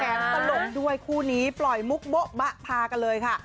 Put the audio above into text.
ตลกด้วยคู่นี้ปล่อยมุกโบ๊ะบะพากันเลยค่ะ